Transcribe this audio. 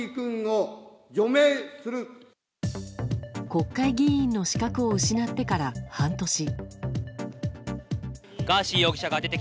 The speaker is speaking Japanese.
国会議員の資格を失ってから半年。